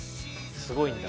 すごいんだ。